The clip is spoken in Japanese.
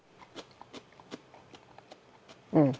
うん。